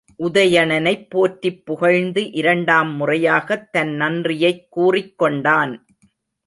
உதயணனைப் போற்றிப் புகழ்ந்து இரண்டாம் முறையாகத் தன் நன்றியைத்கூறிக் கொண்டான்.